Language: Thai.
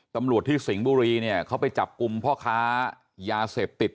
ตำรวจที่สิงห์บุรีเนี่ยเขาไปจับกลุ่มพ่อค้ายาเสพติด